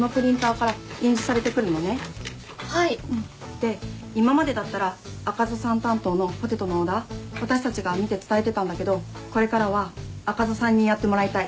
で今までだったら赤座さん担当のポテトのオーダー私たちが見て伝えてたんだけどこれからは赤座さんにやってもらいたい。